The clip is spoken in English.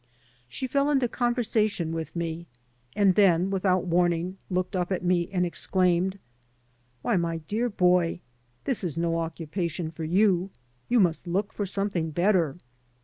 She fell into conversation with me, and then, without warning, looked up at me and exclaimed: "Why, my dear boy, this is no occupation for you. You must look for something better."